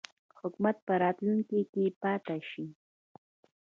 حکومت په راتلونکي کې پاته شي.